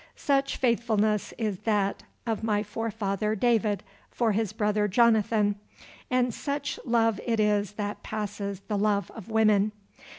Such faithfulness is that of my forefather David for his brother Jonathan, and such love it is that passes the love of women.